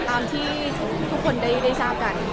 ตามที่ทุกคนได้ทราบกัน